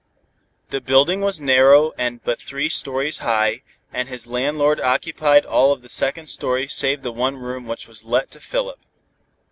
The building was narrow and but three stories high, and his landlord occupied all of the second story save the one room which was let to Philip.